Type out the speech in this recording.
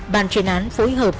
bàn truyền án phối hợp